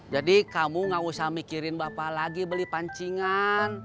jadi kamu ga usah mikirin bapak lagi beli pancingan